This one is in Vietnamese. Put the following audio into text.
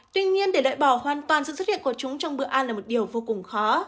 tuy nhiên để loại bỏ hoàn toàn sự xuất hiện của chúng trong bữa ăn là một điều vô cùng khó